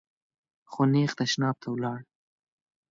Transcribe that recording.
خو نېغ تشناب ته ولاړ .